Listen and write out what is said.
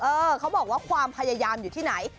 เขาบอกว่าความพยายามอยู่ที่ไหน